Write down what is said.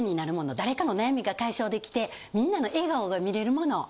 誰かの悩みが解消できてみんなの笑顔が見れるもの。